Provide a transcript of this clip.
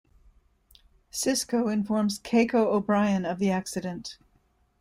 Sisko informs Keiko O'Brien of the accident.